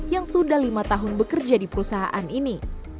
yang sudah lima tahun bekerja di perusahaan ini